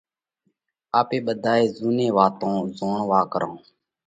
آپي ٻڌي زُوني واتون زوڻوا ڪرونه،